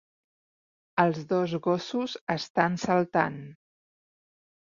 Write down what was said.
Els dos gossos estan saltant.